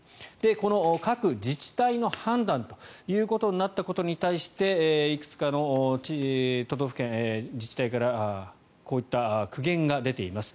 この各自治体の判断ということになったことに対していくつかの都道府県、自治体からこういった苦言が出ています。